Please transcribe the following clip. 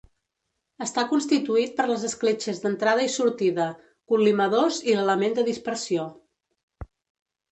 Està constituït per les escletxes d'entrada i sortida, col·limadors i l'element de dispersió.